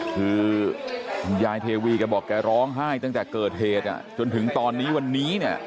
คือคุณยายเทวีแกบอกแกร้องไห้ตั้งแต่เกิดเหตุจนถึงตอนนี้วันนี้เนี่ย